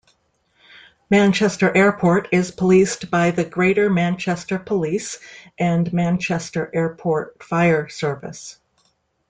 Manchester Airport is policed by the Greater Manchester Police and Manchester Airport Fire Service.